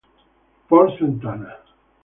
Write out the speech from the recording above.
Porta Sant'Anna